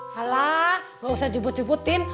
halah gak usah jemput jemputin